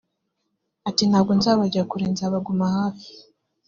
Ati “Ntabwo nzabajya kure nzabaguma hafi